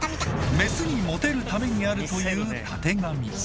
メスにモテるためにあるというたてがみ。